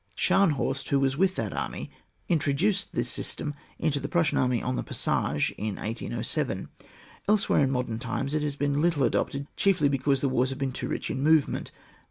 Scharnhorst, who was with that army, introduced this system into the Prussian army on the Passarge in 1 807 . Elsewhere in moderti times, it has been little adopted, chiefly because the wars have been too rich in movement.